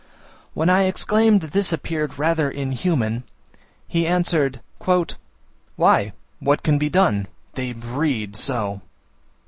When I exclaimed that this appeared rather inhuman, he answered, "Why, what can be done? they breed so!"